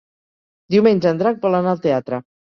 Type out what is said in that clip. Diumenge en Drac vol anar al teatre.